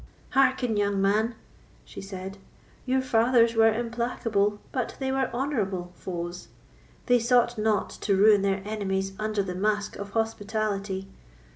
Hearken, young man," she said; "your fathers were implacable, but they were honourable, foes; they sought not to ruin their enemies under the mask of hospitality.